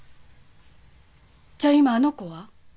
じゃあ今あの子は？